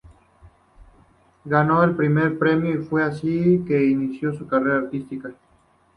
Ganó el primer premio y fue así que inició su carrera artística.